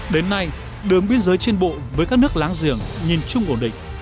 đến nay đường biên giới trên bộ với các nước láng giềng nhìn chung ổn định